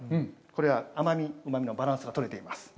これは甘み、うまみのバランスがとれています。